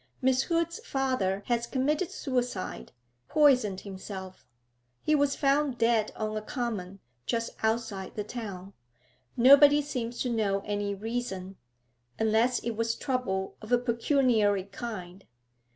Miss Hood's father has committed suicide, poisoned himself; he was found dead on a common just outside the town. Nobody seems to know any reason, unless it was trouble of a pecuniary kind.